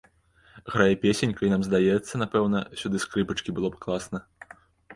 Грае песенька, і нам здаецца, напэўна, сюды скрыпачкі было б класна.